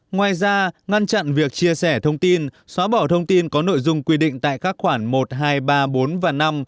ngoài ra ngăn chặn việc chia sẻ thông tin xóa bỏ thông tin có nội dung quy định tại các khoản một hai ba bốn và năm